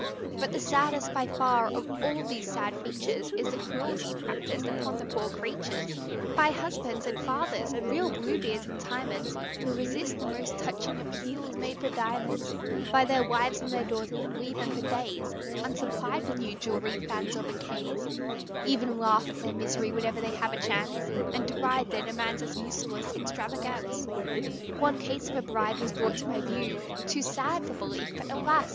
But the saddest, by far, of all these sad features, Is the cruelty practised upon the poor creatures By husbands and fathers, real Bluebeards and Timons, Who resist the most touching appeals made for diamonds By their wives and their daughters, and leave them for days Unsupplied with new jewelry, fans or bouquets, Even laugh at their miseries whenever they have a chance, And deride their demands as useless extravagance. One case of a bride was brought to my view, Too sad for belief, but alas!